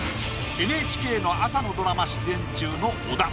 ＮＨＫの朝のドラマ出演中の小田。